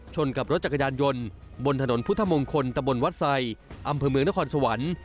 กับรถจักรยานยนต์บนถนนพุทธมงคลตะบนวัดไซอำเภอเมืองนครสวรรค์